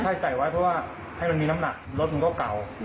ใช่ใส่ไว้เพราะว่าให้มันมีน้ำหนักรถมันก็เก่า